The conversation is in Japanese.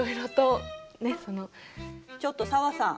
ちょっと紗和さん！